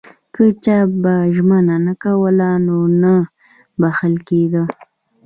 که چا به ژمنه نه کوله نو نه بخښل کېده.